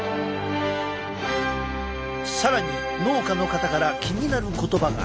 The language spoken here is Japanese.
更に農家の方から気になる言葉が！